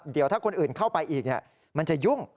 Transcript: เดี๋ยวถ้าคนอื่นเข้าไปอีกมันจะยุ่ง